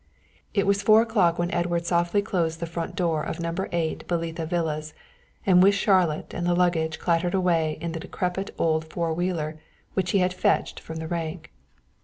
It was four o'clock when Edward softly closed the front door of No. 8, Belitha Villas, and with Charlotte and the luggage clattered away in the decrepit old four wheeler which he had fetched from the rank.